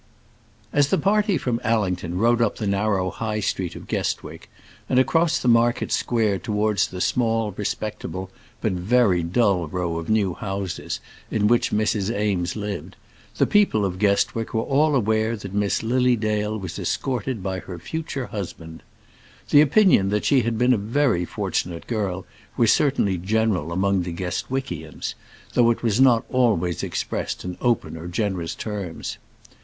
[ILLUSTRATION: (untitled)] As the party from Allington rode up the narrow High street of Guestwick, and across the market square towards the small, respectable, but very dull row of new houses in which Mrs. Eames lived, the people of Guestwick were all aware that Miss Lily Dale was escorted by her future husband. The opinion that she had been a very fortunate girl was certainly general among the Guestwickians, though it was not always expressed in open or generous terms.